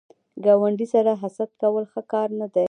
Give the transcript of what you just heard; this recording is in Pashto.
ګاونډي سره حسد کول ښه کار نه دی